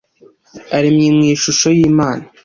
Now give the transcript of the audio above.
aremye mu ishusho y’ imana .